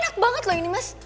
enak banget loh ini mas